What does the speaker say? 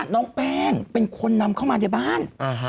น้องแป้งเป็นคนนำเข้ามาในบ้าน